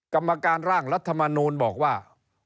กรรมการร่างรัฐมนูลบอกว่า